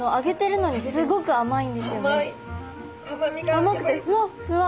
甘くてふわっふわ！